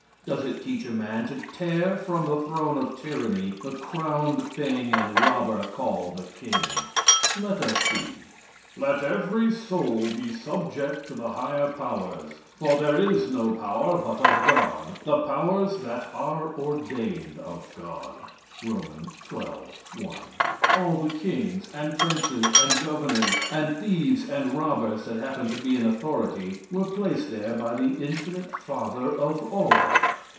Does it teach a man to tear from the throne of tyranny the crowned thing and robber called a king? Let us see [Reading:] "Let every soul be subject to the higher powers: For there is no power but of God, the powers that are ordained of God." (Rom. xii, 1.) All the kings, and princes, and governors, and thieves and robbers that happened to be in authority were placed there by the infinite father of all!